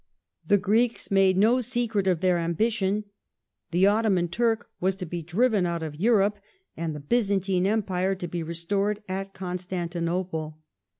The Greeks made no secret of their ambition : the Ottoman Turk was to be driven out of Europe, and the Byzantine Empire to be restored at Constantinople.